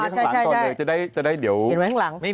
อ๋อใช่ใช่ใช่เอาไว้ข้างหลัง